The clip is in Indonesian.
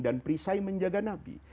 dan perisai menjaga nabi